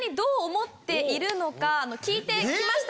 聞いて来ました。